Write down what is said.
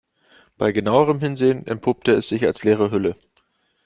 Bei genauerem Hinsehen entpuppt es sich als leere Hülle.